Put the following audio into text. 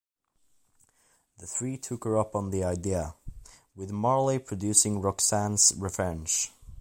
The three took her up on the idea, with Marley producing Roxanne's Revenge.